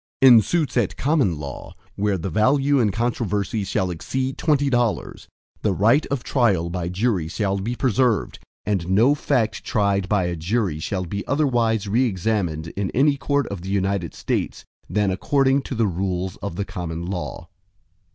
VII In suits at common law, where the value in controversy shall exceed twenty dollars, the right of trial by jury shall be preserved, and no fact tried by a jury shall be otherwise re examined in any court of the United States, than according to the rules of the common law.